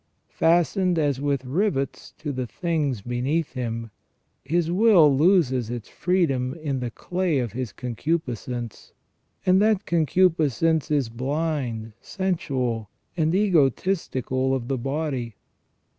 Fastened as with rivets to the things beneath him, his will loses its freedom in the clay of his concupiscence, and that concupiscence is blind, sensual, and egotistical of the body.